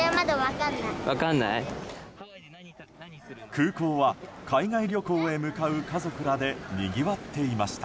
空港は、海外旅行へ向かう家族らでにぎわっていました。